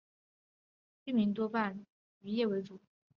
居民多半是以从事渔业为主。